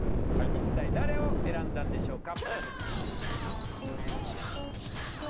一体誰を選んだんでしょうか？